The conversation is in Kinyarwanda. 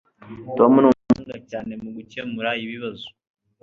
Tom ni umuhanga cyane mugukemura ibibazo